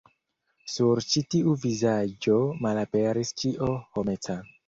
Sur ĉi tiu vizaĝo malaperis ĉio homeca.